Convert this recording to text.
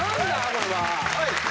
これは。